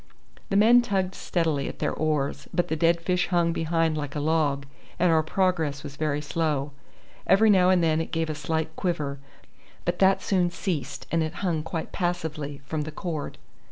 The men tugged steadily at their oars, but the dead fish hung behind like a log, and our progress was very slow. Every now and then it gave a slight quiver, but that soon ceased, and it hung quite passively from the cord.